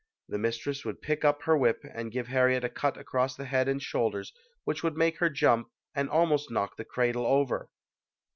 The mistress would pick up her whip and give Harriet a cut across the head and shoulders which would make her jump and almost knock the cradle over.